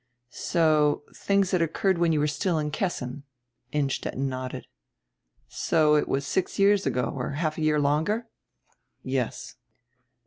"So, tilings that occurred when you were still in Kes sin?" Innstetten nodded. "So, it was six years ago, or half a year longer?" "Yes."